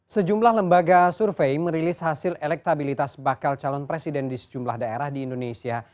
sejumlah lembaga survei merilis hasil elektabilitas bakal calon presiden di sejumlah daerah di indonesia